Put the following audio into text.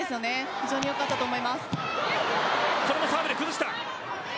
非常によかったと思います。